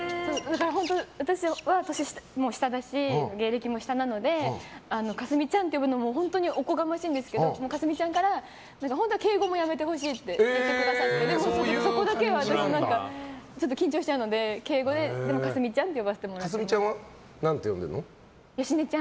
私は年下ですし芸歴も下なので架純ちゃんって呼ぶのもおこがましいんですけど架純ちゃんから本当は敬語もやめてほしいって言ってくださってでもそこだけはちょっと緊張しちゃうのででも架純ちゃんって呼んでます。